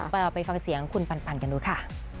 ไปฟังเสียงคุณปันกันดูค่ะ